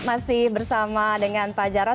masih bersama dengan pak jarod